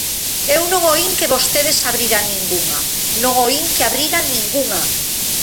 Eu non oín que vostedes abriran ningunha; non oín que abriran ningunha.